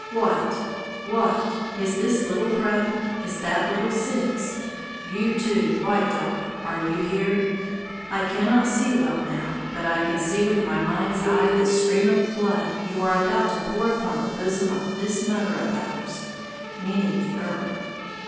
"What! What! is this Little Crow? Is that Little Six? You, too, White Dog, are you here? I cannot see well now, but I can see with my mind's eye the stream of blood you are about to pour upon the bosom of this mother of ours" (meaning the earth).